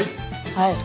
はい。